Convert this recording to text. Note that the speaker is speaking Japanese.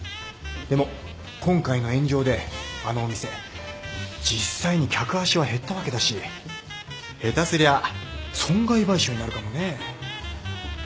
でも今回の炎上であのお店実際に客足は減ったわけだし下手すりゃ損害賠償になるかもねぇ